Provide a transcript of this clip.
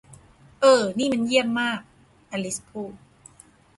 'เอ่อนี่มันเยี่ยมมาก !' อลิซพูด